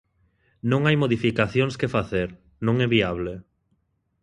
Non hai modificacións que facer, non é viable.